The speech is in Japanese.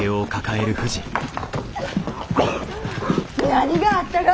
何があったが！？